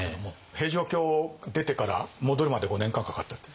平城京出てから戻るまで５年間かかったって。